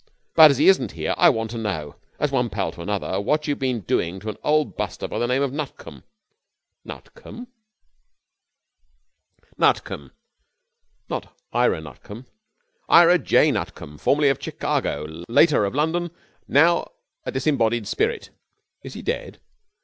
But as he isn't here I want to know, as one pal to another, what you've been doing to an old buster of the name of Nutcombe.' 'Nutcombe?' 'Nutcombe.' 'Not Ira Nutcombe?' 'Ira J. Nutcombe, formerly of Chicago, later of London, now a disembodied spirit.' 'Is he dead?'